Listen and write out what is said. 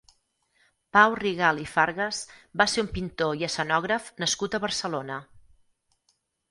Pau Rigalt i Fargas va ser un pintor i escenògraf nascut a Barcelona.